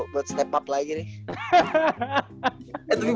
buat step up lagi nih